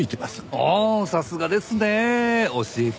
おおさすがですね！教えて。